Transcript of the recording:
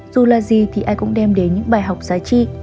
dù là gì thì ai cũng đem đến những bài học giá trị